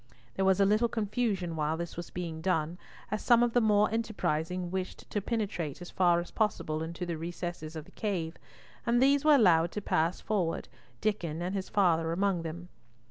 There was a little confusion while this was being done, as some of the more enterprising wished to penetrate as far as possible into the recesses of the cave, and these were allowed to pass forward—Diccon and his father among them.